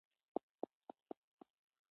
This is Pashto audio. د مېله والو مستو زلمیو